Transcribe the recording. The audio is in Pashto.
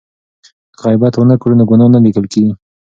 که غیبت ونه کړو نو ګناه نه لیکل کیږي.